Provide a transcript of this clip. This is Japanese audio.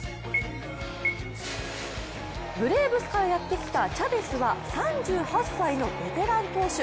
ブレーブスからやってきたチャベスは３８歳のベテラン投手。